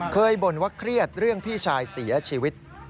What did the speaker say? บ่นว่าเครียดเรื่องพี่ชายเสียชีวิต